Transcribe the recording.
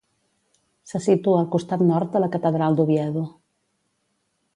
Se situa al costat nord de la Catedral d'Oviedo.